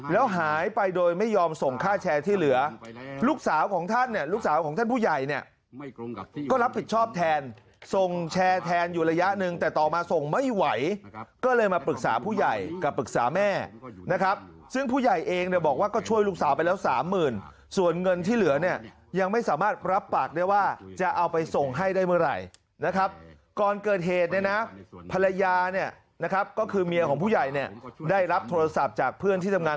แล้วหายไปโดยไม่ยอมส่งค่าแชร์ที่เหลือลูกสาวของท่านเนี่ยลูกสาวของท่านผู้ใหญ่เนี่ยก็รับผิดชอบแทนส่งแชร์แทนอยู่ระยะหนึ่งแต่ต่อมาส่งไม่ไหวนะครับก็เลยมาปรึกษาผู้ใหญ่กับปรึกษาแม่นะครับซึ่งผู้ใหญ่เองเนี่ยบอกว่าก็ช่วยลูกสาวไปแล้วสามหมื่นส่วนเงินที่เหลือเนี่ยยังไม่สามารถรับปั